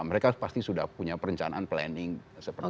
mereka pasti sudah punya perencanaan planning seperti itu